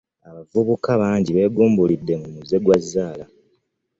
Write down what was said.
Abavubuka bangi beegumbulidde omuze gwa zzaala.